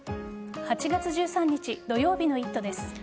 ８月１３日土曜日の「イット！」です。